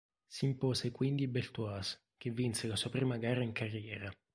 Si impose quindi Beltoise che vinse la sua prima gara in carriera.